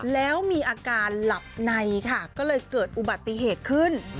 แล้วมีอาการหลับในค่ะก็เลยเกิดอุบัติเหตุขึ้น